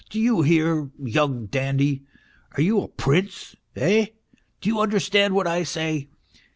Do you hear, young dandy ? Are you a prince, eh ? Do you understand what I say